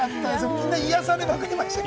みんな癒やされまくりました。